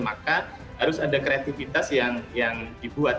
maka harus ada kreativitas yang dibuat